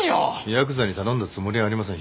ヤクザに頼んだつもりはありません。